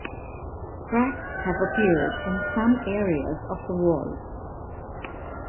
Cracks have appeared in some areas of the walls.